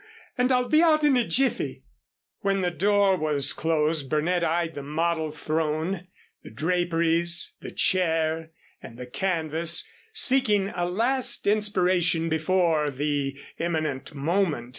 And I'll be out in a jiffy." When the door was closed Burnett eyed the model throne, the draperies, the chair, and the canvas, seeking a last inspiration before the imminent moment.